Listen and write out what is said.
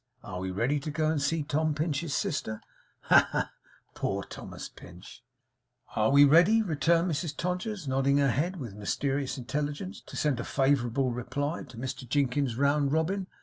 Are we ready to go and see Tom Pinch's sister? Ha, ha, ha! Poor Thomas Pinch!' 'Are we ready,' returned Mrs Todgers, nodding her head with mysterious intelligence, 'to send a favourable reply to Mr Jinkins's round robin?